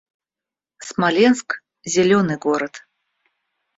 Смоленск — зелёный город